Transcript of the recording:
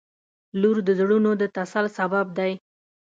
• لور د زړونو د تسل سبب دی.